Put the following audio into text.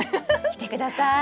来てください。